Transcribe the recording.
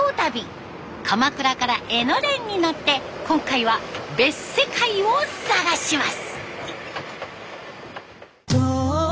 鎌倉から江ノ電に乗って今回は「別世界」を探します。